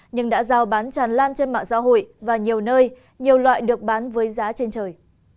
nhưng đã giao bán tràn lan trên mạng xã hội và nhiều nơi nhiều loại được bán với giá trên trời